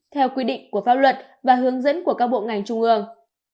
theo quy định của pháp luật và hướng dẫn của các bộ ngành trung ương